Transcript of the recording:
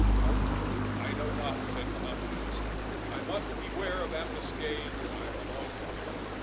"Umph—I know not," said Tomkins. "I must beware of ambuscades, and I am alone here.